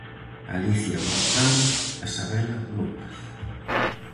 Alicia González e Sabela López.